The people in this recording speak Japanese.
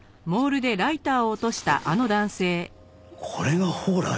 これが宝来！？